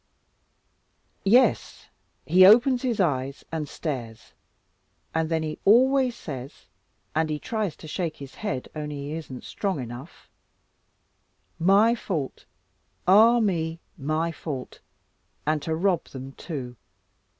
"Yes, he opens his eyes and stares, and then he always says, and he tries to shake his head only he isn't strong enough, 'My fault, ah me, my fault, and to rob them too!